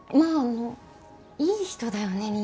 ああのいい人だよね